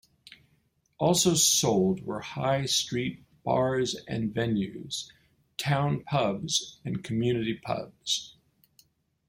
Also sold were High Street Bars and Venues, Town Pubs and Community Pubs.